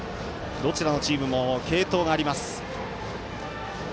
どちらのチームも継投があります。